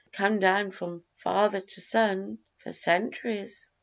They've come down from father to son for centuries."